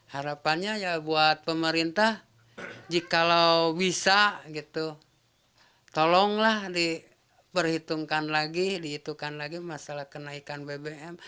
harapannya ya buat pemerintah kalau bisa gitu tolonglah diperhitungkan lagi dihitungkan lagi masalah kenaikan bbm